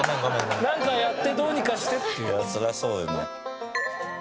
なんかやってどうにかしてっていう。